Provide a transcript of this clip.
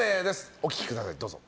お聴きください、どうぞ。